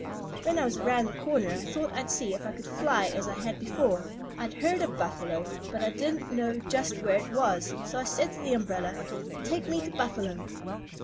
"When I was around the corner I thought I'd see if I could fly as I had before. I'd heard of Buffalo, but I didn't know just where it was; so I said to the umbrella: 'Take me to Buffalo.'